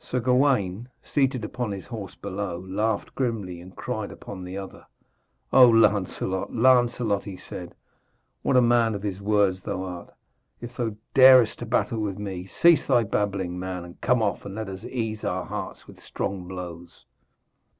Sir Gawaine, seated upon his horse below, laughed grimly, and cried upon the other. 'O Lancelot, Lancelot,' he said, 'what a man of words thou art! If thou darest to battle with me, cease thy babbling, man, and come off, and let us ease our hearts with strong blows.'